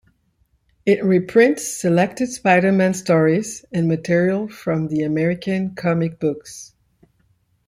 It reprints selected Spider-Man stories and material from the American comic books.